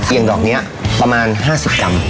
อย่างดอกนี้ประมาณ๕๐กรัม